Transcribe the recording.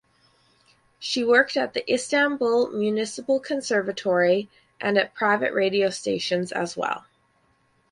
She worked at the Istanbul Municipal Conservatory and at private radio stations as well.